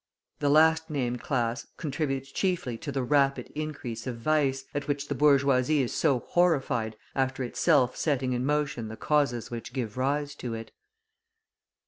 The last named class contributes chiefly to the "rapid increase of vice," at which the bourgeoisie is so horrified after itself setting in motion the causes which give rise to it.